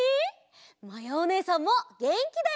まやおねえさんもげんきだよ！